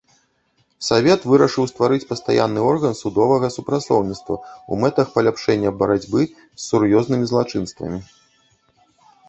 Савет вырашыў стварыць пастаянны орган судовага супрацоўніцтва ў мэтах паляпшэння барацьбы з сур'ёзнымі злачынствамі.